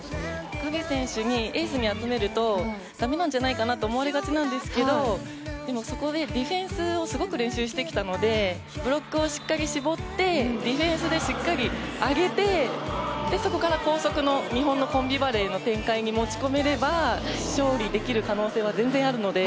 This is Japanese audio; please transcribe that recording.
ガビ選手、エースに集めると駄目なんじゃないかと思われがちですがそこでディフェンスをすごく練習してきたのでブロックをしっかり絞ってディフェンスでしっかり上げてそこから高速の日本のコンビバレーの展開に持ち込めれば勝利できる可能性は全然あるので。